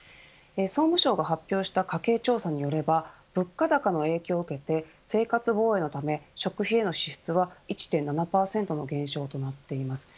総務省が発表した家計調査によれば物価高の影響を受けて生活防衛のため食費への支出は１．７％の減少となっています。